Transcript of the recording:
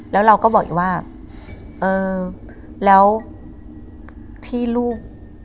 แล้วเราก็บอกอีกว่าเออแล้วที่ลูก